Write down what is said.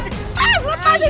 saya tetep mau disini